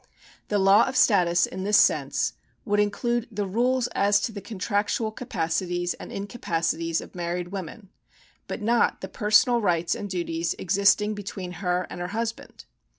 ^ The "law of status in this sense would include the rules as to the contractual capacities and incapacities of married women, but not the personal rights and duties existing between her and her husband.